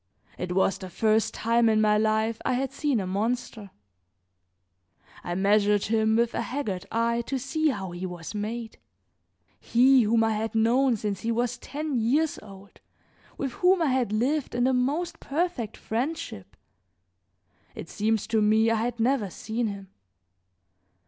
It was the first time in my life I had seen a monster; I measured him with a haggard eye to see how he was made. He whom I had known since he was ten years old, with whom I had lived in the most perfect friendship, it seemed to me I had never seen him.